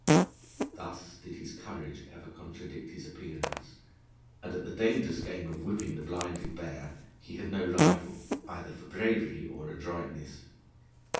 Thus did his courage ever contradict his appearance, and at the dangerous game of whipping the blinded bear he had no rival, either for bravery or adroitness.